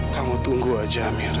kamu tunggu saja amira